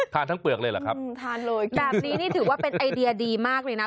ทั้งเปลือกเลยเหรอครับทานเลยแบบนี้นี่ถือว่าเป็นไอเดียดีมากเลยนะ